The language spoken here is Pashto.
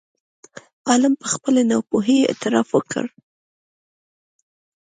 عالم په خپلې ناپوهۍ اعتراف وکړ.